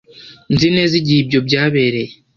nzi neza igihe ibyo byabereye